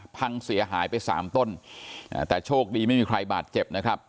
พังเสียหายไปสามต้นแต่โชคดีไม่มีใครบาดเจ็บนะครับ